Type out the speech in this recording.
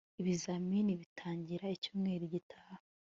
ibizamini bitangira icyumweru gitaha